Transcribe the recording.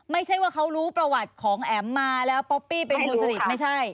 ไม่ใช่ว่าเขารู้ประวัติของแอ๋มมาแล้วป๊อปปี้เป็นคนสนิทไม่ใช่